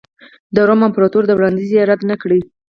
د روم امپراتور دا وړاندیز یې رد نه کړ